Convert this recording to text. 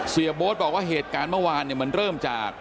เสียโบ๊ทบอกว่าเหตุการณ์เมื่อวานมันเริ่มจาก